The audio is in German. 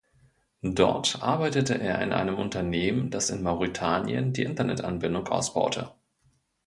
Dort arbeitete er in einem Unternehmen, das in Mauretanien die Internet-Anbindung ausbaute.